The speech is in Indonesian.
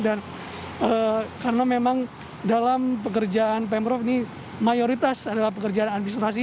dan karena memang dalam pekerjaan pemprov ini mayoritas adalah pekerjaan ambisnasis